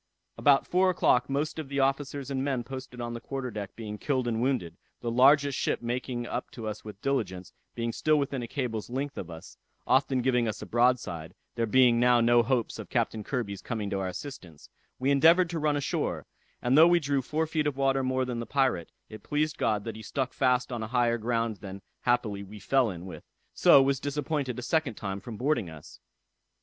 "About four o'clock most of the officers and men posted on the quarter deck being killed and wounded, the largest ship making up to us with diligence, being still within a cable's length of us, often giving us a broadside; there being now no hopes of Captain Kirby's coming to our assistance, we endeavored to run a shore; and though we drew four feet of water more than the pirate, it pleased God that he stuck fast on a higher ground than happily we fell in with; so was disappointed a second time from boarding us.